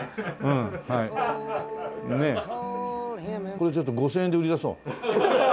これちょっと５０００円で売り出そう。